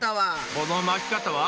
このまき方は？